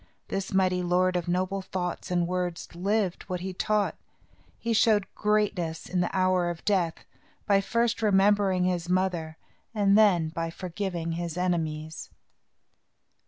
This mighty lord of noble thoughts and words lived what he taught. He showed greatness in the hour of death, by first remembering his mother, and then by forgiving his enemies.